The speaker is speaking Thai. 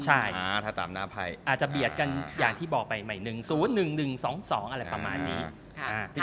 อาจจะเบียดกันอย่างที่บอกไปใหม่หนึ่ง๐๑๑๒๒อะไรประมาณนี้